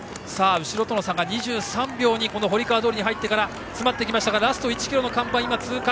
後ろとの差が２３秒に堀川通に入ってから詰まってきましたがラスト１ｋｍを通過。